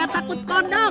gak takut kodok